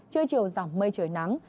trưa chiều giảm mây trời nắng